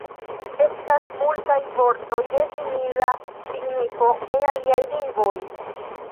Estas multaj vortoj de simila signifo en aliaj lingvoj.